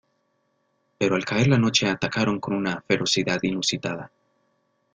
Pero al caer la noche atacaron con una ferocidad inusitada.